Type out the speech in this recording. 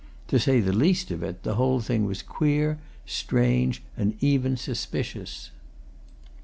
To say the least of it, the whole thing was queer, strange, and even suspicious.